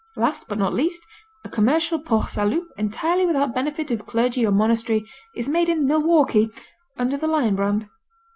Last but not least, a commercial Port Salut entirely without benefit of clergy or monastery is made in Milwaukee under the Lion Brand.